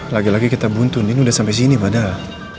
lagi lagi kita buntu nini udah sampai sini padahal